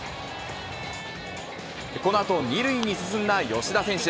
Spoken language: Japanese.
このあと２塁に進んだ吉田選手。